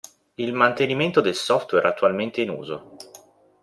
Il mantenimento del software attualmente in uso.